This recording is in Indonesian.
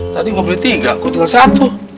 tadi gue beli tiga kok tinggal satu